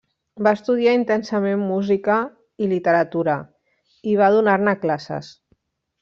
Va estudiar intensament música i literatura, i va donar-ne classes.